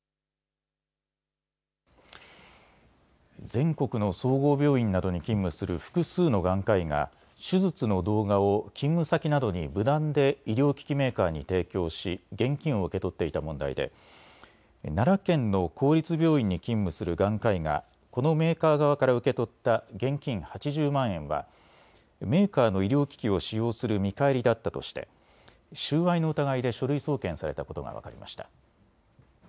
全国の総合病院などに勤務する複数の眼科医が手術の動画を勤務先などに無断で医療機器メーカーに提供し現金を受け取っていた問題で奈良県の公立病院に勤務する眼科医がこのメーカー側から受け取った現金８０万円はメーカーの医療機器を使用する見返りだったとして収賄の疑いで書類送検されたことが分かりました。